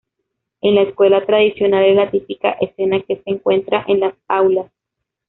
En la escuela tradicional es la típica escena que se encuentra en las aulas.